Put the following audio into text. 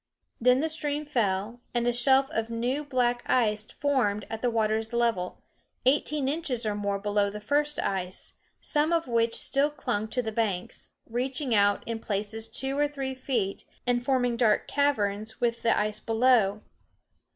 Then the stream fell, and a shelf of new black ice formed at the water's level, eighteen inches or more below the first ice, some of which still clung to the banks, reaching out in places two or three feet and forming dark caverns with the ice below.